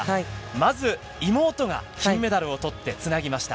まず、妹が金メダルをとってつなぎました。